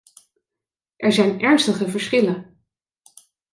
Er zijn ernstige verschillen.